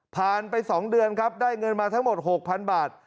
ไป๒เดือนครับได้เงินมาทั้งหมด๖๐๐๐บาท